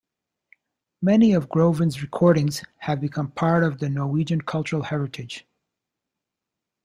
Many of Groven's recordings have become part of the Norwegian cultural heritage.